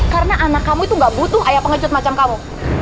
karena anak kamu itu gak butuh ayah pengecut macam kamu